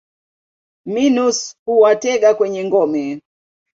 Minus huwatega kwenye ngome.